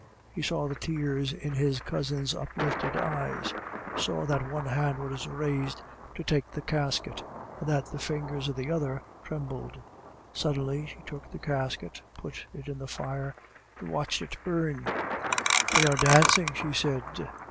He saw the tears in his cousin's uplifted eyes, saw that one hand was raised to take the casket, and that the fingers of the other trembled. Suddenly she took the casket, put it in the fire, and watched it burn. "They are dancing," she said.